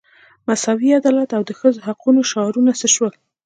مساوي عدالت او د ښځو حقوقو شعارونه څه شول.